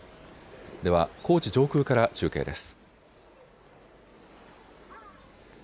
では高知上空から中継です。